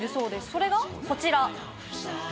それがこちら。